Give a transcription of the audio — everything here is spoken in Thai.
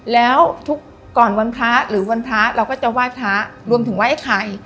แล้วทุกก่อนวันพระหรือวันพระเราก็จะไหว้พระรวมถึงไหว้ไอ้ไข่